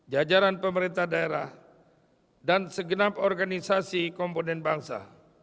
jajaran pemerintah daerah dan segenap organisasi komponen bangsa